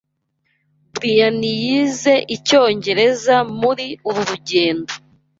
Brian yize icyongereza muri uru rugendo.